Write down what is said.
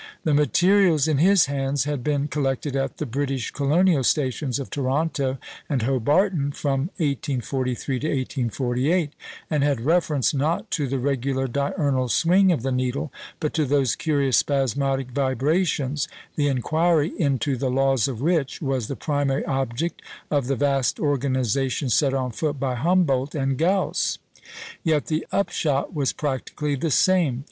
The materials in his hands had been collected at the British colonial stations of Toronto and Hobarton from 1843 to 1848, and had reference, not to the regular diurnal swing of the needle, but to those curious spasmodic vibrations, the inquiry into the laws of which was the primary object of the vast organisation set on foot by Humboldt and Gauss. Yet the upshot was practically the same.